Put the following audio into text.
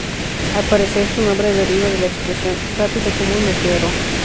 Al parecer, su nombre deriva de la expresión "rápido como un meteoro".